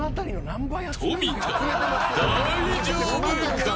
富田大丈夫か。